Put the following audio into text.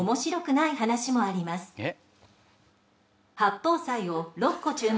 えっ？